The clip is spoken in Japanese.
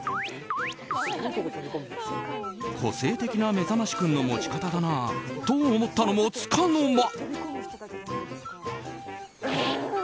個性的なめざましくんの持ち方だなと思ったのもつかの間！